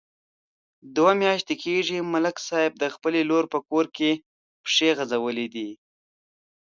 دوه میاشتې کېږي، ملک صاحب د خپلې لور په کور کې پښې غځولې دي.